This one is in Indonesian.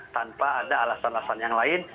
tanpa ada alasan alasan yang lain